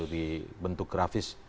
di bentuk grafis